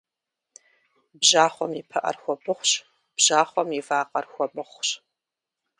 Бжьахъуэм и пыӏэр хуэбыхъущ, бжьахъуэм и вакъэр хуэмыхъущ.